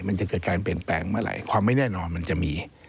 มันจะเกิดการเปลี่ยนแปลงเมื่อไหร่ความไม่แน่นอนมันจะมี